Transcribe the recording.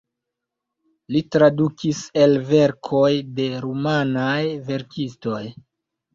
Li tradukis el verkoj de rumanaj verkistoj.